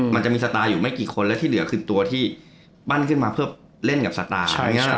มันจะมีสตาร์อยู่ไม่กี่คนและที่เหลือคือตัวที่ปั้นขึ้นมาเพื่อเล่นกับสตาร์